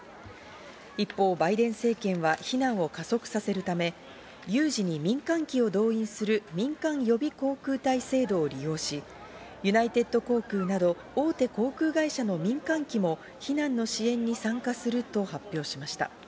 一方、バイデン政権は避難を加速させるため有事に民間機を動員する、民間予備航空隊制度を利用し、ユナイテッド航空など大手航空会社の民間機も避難の支援に参加すると発表しました。